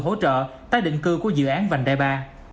hỗ trợ tái định cư của dự án vành đai ba